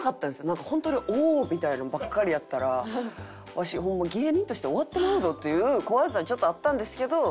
なんかホントに「おおーっ」みたいなのばっかりやったらわしホンマ芸人として終わってまうどという怖さもちょっとあったんですけど。